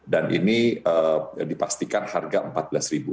dan ini dipastikan harga empat belas ribu